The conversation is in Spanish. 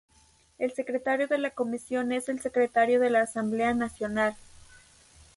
El secretario de la Comisión es el secretario de la Asamblea Nacional.